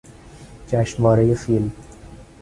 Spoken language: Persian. جشنوارهی فیلم